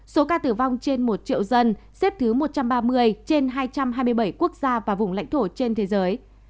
số ca tử vong trên một triệu dân xếp thứ một trăm ba mươi trên hai trăm hai mươi bảy quốc gia và vùng lãnh thổ trên thế giới